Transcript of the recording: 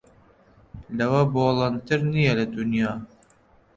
لەوە بوڵەندتر نییە لە دونیا